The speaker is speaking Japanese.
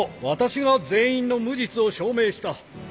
私が全員の無実を証明した。